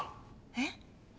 えっ？